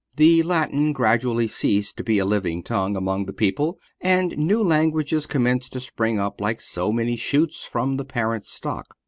The Latin gradually ceased to be a living tongue among the people, and new languages commenced to spring up like so many shoots from the parent stock.